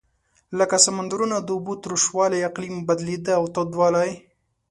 لکه د سمندرونو د اوبو تروش والۍ اقلیم بدلېده او تودوالی.